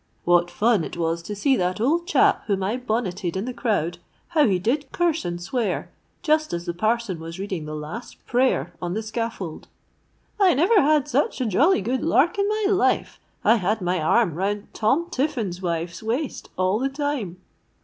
'—'What fun it was to see that old chap whom I bonneted in the crowd! How he did curse and swear just as the parson was reading the last prayer on the scaffold!'—'I never had such a jolly good lark in my life. I had my arm round Tom Tiffin's wife's waist all the time.'